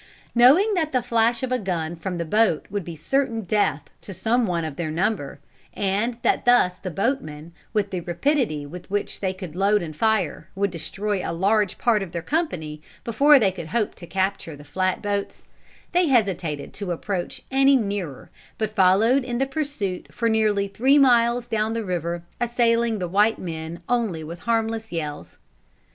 Knowing that the flash of a gun from the boat would be certain death to some one of their number, and that thus the boatmen, with the rapidity with which they could load and fire, would destroy a large part of their company before they could hope to capture the flat boats, they hesitated to approach any nearer, but followed in the pursuit for nearly three miles down the river, assailing the white men only with harmless yells.